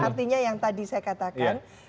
artinya yang tadi saya katakan